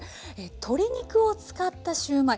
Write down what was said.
鶏肉を使ったシューマイ。